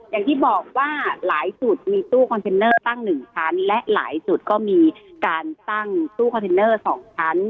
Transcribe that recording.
อย่างที่บอกว่าหลายจุดมีตู้คอนเทนเนอร์ตั้ง๑ชั้นและหลายจุดก็มีการตั้งตู้คอนเทนเนอร์๒ชั้น